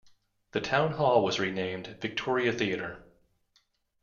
The town hall was renamed Victoria Theatre.